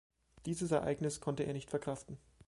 Dieses Ereignis konnte er nicht verkraften.